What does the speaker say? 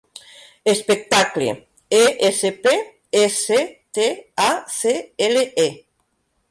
Espectacle: e, essa, pe, e, ce, te, a, ce, ela, e.